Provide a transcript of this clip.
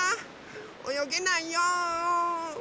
およげないよ。